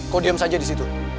kok diam saja disitu